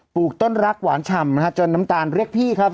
ลูกต้นรักหวานฉ่ำนะฮะจนน้ำตาลเรียกพี่ครับ